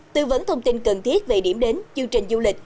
tư vấn thông tin cần thiết về điểm đến chương trình du lịch